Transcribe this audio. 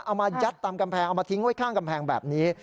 เอามายัดตามกำแพงเอามาทิ้งไว้ข้างกำแพงแบบนี้